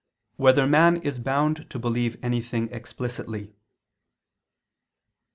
5] Whether Man Is Bound to Believe Anything Explicitly?